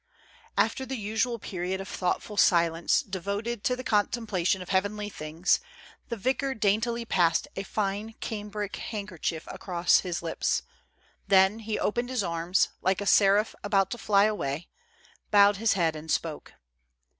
After the usual period of thoughtful silence devoted to the contemplation of heavenly things, the vicar dain tily passed a fine cambric handkerchief across his lips ; then, he opened his arms, like a seraph about to fly away, bowed his head and spoke.